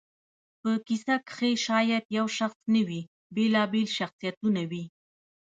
په کیسه کښي شاید یو شخص نه وي، بېلابېل شخصیتونه وي.